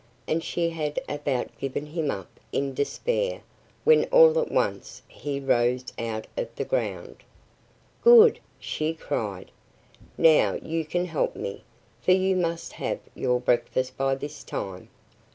And she had about given him up in despair when all at once he rose out of the ground. "Good!" she cried. "Now you can help me, for you must have had your breakfast by this time."